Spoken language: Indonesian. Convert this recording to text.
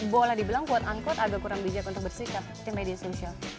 boleh dibilang quote unquote agak kurang bijak untuk bersikap di media sosial